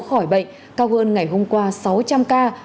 khỏi bệnh cao hơn ngày hôm qua sáu trăm linh ca